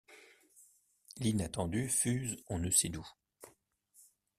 L’inattendu fuse on ne sait d’où.